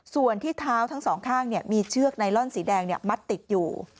ส่วนที่เท้าทั้งสองข้างมีเชือกไนลอนสีแดงมัดติดอยู่